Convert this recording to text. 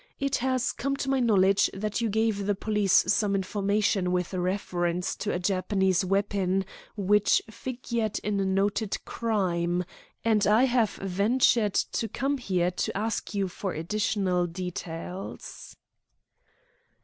It has come to my knowledge that you gave the police some information with reference to a Japanese weapon which figured in a noted crime, and I have ventured to come here to ask you for additional details."